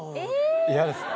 嫌ですか？